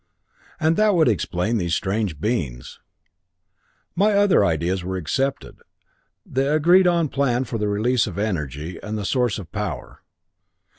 "And that would explain these strange beings. "My other ideas were accepted. The agreed on plan for the release of energy, and the source of the power."